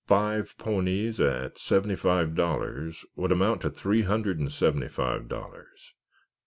"Five ponies at seventy five dollars would amount to three hundred and seventy five dollars.